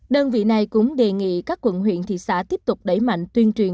đơn vị này cũng đề nghị các quận huyện thị xã tiếp tục đẩy mạnh tuyên truyền